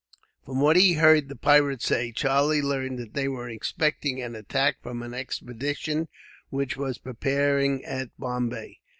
From what he heard the pirates say, Charlie learned that they were expecting an attack from an expedition which was preparing at Bombay.